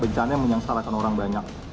bencana yang menyengsarakan orang banyak